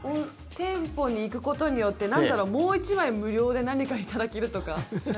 店舗に行くことによってもう１枚無料で何か頂けるとか。